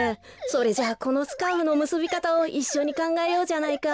それじゃあこのスカーフのむすびかたをいっしょにかんがえようじゃないか。